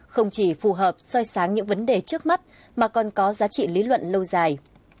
không chỉ phù hợp soi sáng những vấn đề trước mắt mà còn có giá trị lý luận lâu dài